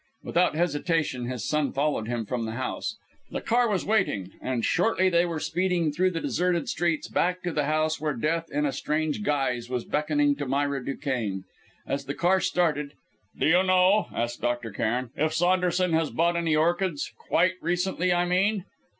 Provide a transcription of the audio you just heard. Without hesitation, his son followed him from the house. The car was waiting, and shortly they were speeding through the deserted streets, back to the house where death in a strange guise was beckoning to Myra Duquesne. As the car started "Do you know," asked Dr. Cairn, "if Saunderson has bought any orchids quite recently, I mean?"